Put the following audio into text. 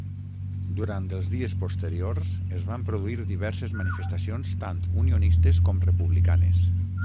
Durant els dies posteriors es van produir diverses manifestacions tant unionistes com republicanes.